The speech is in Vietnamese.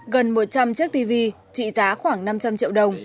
gần một trăm linh chiếc tv trị giá khoảng năm trăm linh triệu đồng